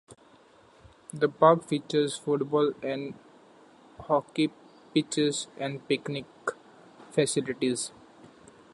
The park features football and hockey pitches and picnic facilities.